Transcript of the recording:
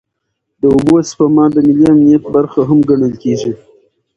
د اوبو سپما د ملي امنیت برخه هم ګڼل کېږي.